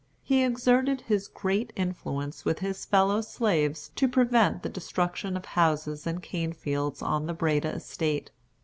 He exerted his great influence with his fellow slaves to prevent the destruction of houses and cane fields on the Breda estate.